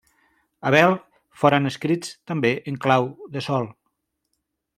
Abel, foren escrits també en clau de sol.